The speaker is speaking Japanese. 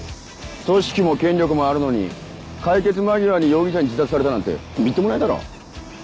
組織も権力もあるのに解決間際に容疑者に自殺されたなんてみっともないだろう。